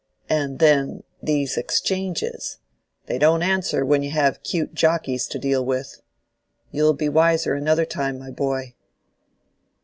And then, these exchanges, they don't answer when you have 'cute jockeys to deal with. You'll be wiser another time, my boy."